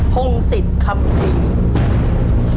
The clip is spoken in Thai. พงศิษย์คัมภินทร์